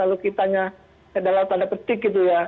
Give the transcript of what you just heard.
lalu kita nya adalah pada petik gitu ya